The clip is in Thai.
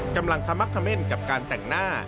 กำลังขมักเขม่นกับการแต่งหน้า